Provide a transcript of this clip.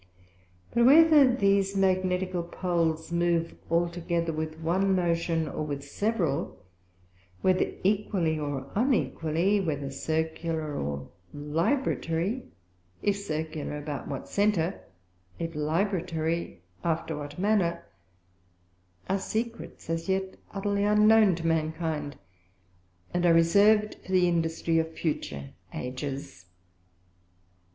But whether these Magnetical Poles move altogether with one motion, or with several; whether equally or unequally; whether Circular or Libratory: If Circular, about what Center; if Libratory, after what manner; are Secrets as yet utterly unknown to Mankind, and are reserv'd for the Industry of future Ages.